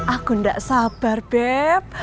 aku gak sabar beb